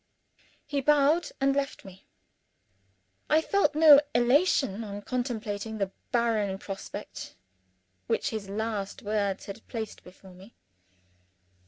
He bowed and left me. I felt no great elation on contemplating the barren prospect which his last words had placed before me.